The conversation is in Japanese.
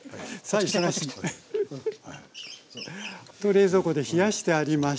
冷蔵庫で冷やしてありました。